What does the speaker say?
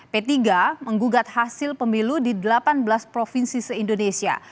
p tiga menggugat hasil pemilu di delapan belas provinsi se indonesia